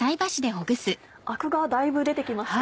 アクがだいぶ出て来ましたね。